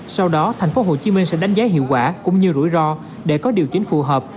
sau đó thành phố hồ chí minh sẽ đánh giá hiệu quả cũng như rủi ro để có điều kiện phù hợp